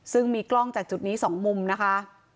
ซึ่งมีกล้องจากจุดนี้๒มุมนะคะ